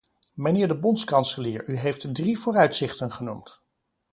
Mijnheer de bondskanselier, u heeft drie vooruitzichten genoemd.